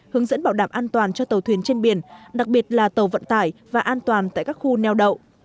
hướng dẫn bảo đảm an toàn cho tàu thuyền trên biển đặc biệt là tàu vận tải và an toàn tại các khu neo đậu